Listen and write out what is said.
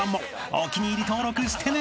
［お気に入り登録してね］